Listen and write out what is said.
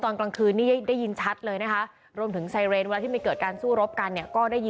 นั่งดูกล้องดูรอบบรรยากาศรอบดู